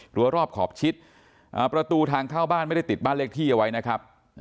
รอบขอบชิดประตูทางเข้าบ้านไม่ได้ติดบ้านเลขที่เอาไว้นะครับ